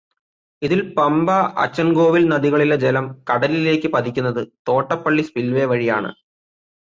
ഇതില് പമ്പ, അച്ചന്കോവില് നദികളിലെ ജലം കടലിലേക്ക് പതിക്കുന്നത് തോട്ടപ്പള്ളി സ്പില്വേ വഴിയാണ്.